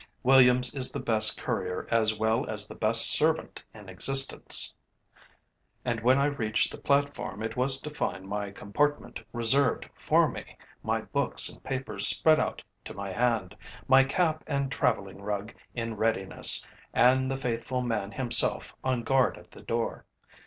Williams is the best courier as well as the best servant in existence, and when I reached the platform it was to find my compartment reserved for me, my books and papers spread out to my hand, my cap and travelling rug in readiness, and the faithful man himself on guard at the door.